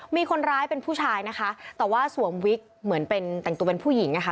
มีคนร้ายเป็นผู้ชายนะคะแต่ว่าสวมวิกเหมือนเป็นแต่งตัวเป็นผู้หญิงอะค่ะ